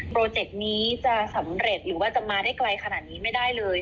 เจกต์นี้จะสำเร็จหรือว่าจะมาได้ไกลขนาดนี้ไม่ได้เลย